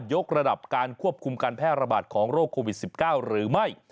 กระดับการควบคุมการแพร่ระบาดของโรคโควิด๑๙หรือไม่